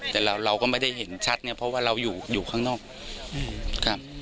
แต่เราก็ไม่ได้เห็นชัดเนี่ยเพราะว่าเราอยู่ข้างนอกครับ